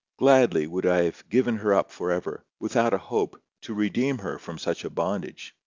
Gladly would I have given her up for ever, without a hope, to redeem her from such a bondage.